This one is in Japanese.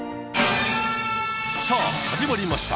さあ始まりました